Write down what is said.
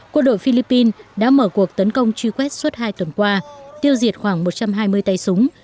quân đội philippines đã mở cuộc tấn công truy quét suốt hai tuần qua tiêu diệt khoảng một trăm hai mươi tay súng